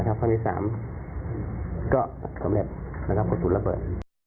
ครั้งที่สามก็กำลังกำลับพอสูตรระเบิด